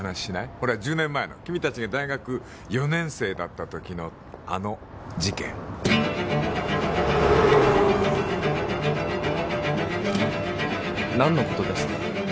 ほら１０年前の君達が大学４年生だった時のあの事件何のことですか？